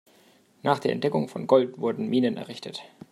Nach der Entdeckung von Gold wurden Minen errichtet.